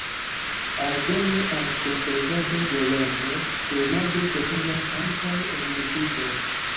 Aldone al konservado de longo, turnado konservas ankaŭ orientiĝon.